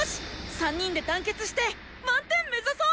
３人で団結して満点目指そう！